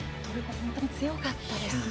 本当に強かったですね。